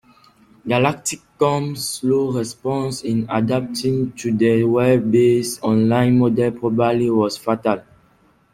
Galacticomm's slow response in adapting to the web-based online model probably was fatal.